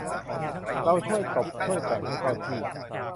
เราช่วยตบ ช่วยแต่ง ให้เข้าที่